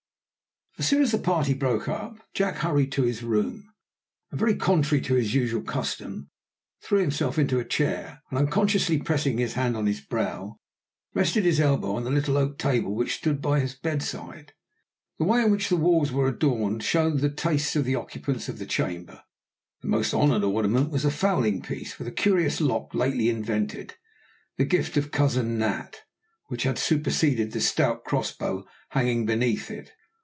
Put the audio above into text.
As soon as the party broke up, Jack hurried to his room, and very contrary to his usual custom threw himself into a chair, and unconsciously pressing his hand on his brow, rested his elbow on the little oak table which stood by his bedside. The way in which the walls were adorned showed the tastes of the occupant of the chamber. The most honoured ornament was a fowling piece with a curious lock lately invented, the gift of Cousin Nat, and which had superseded the stout cross bow hanging beneath it.